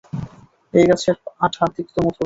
এই গাছের আঠা তিক্তমধুর।